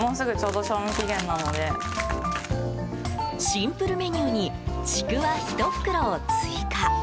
シンプルメニューにちくわ１袋を追加。